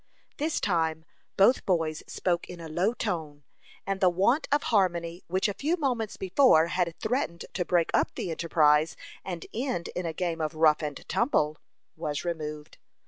This time, both boys spoke in a low tone, and the want of harmony which a few moments before had threatened to break up the enterprise, and end in a game of rough and tumble, was removed.